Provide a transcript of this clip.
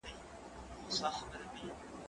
زه کولای سم موبایل کار کړم؟!